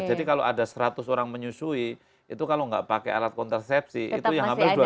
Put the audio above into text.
jadi kalau ada seratus orang menyusui itu kalau enggak pakai alat kontrasepsi itu yang hampir dua puluh lima gitu loh